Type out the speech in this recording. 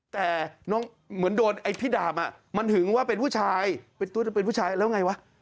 แต่น้องเหมือนโดนไอ้พี่ดาบมันหึงว่าเป็นผู้ชายเป็นตัวจะเป็นผู้ชายแล้วไงวะ